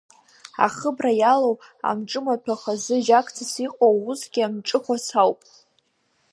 Ахыбра иалоу амҿымаҭәахә азы жьакцас иҟоу усгьы амҿыхәац ауп.